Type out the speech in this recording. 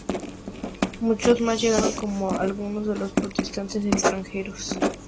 Muchos más llegaron como algunos de los protestantes extranjeros.